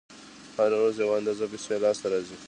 هره ورځ یوه اندازه پیسې لاس ته راځي